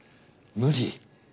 無理？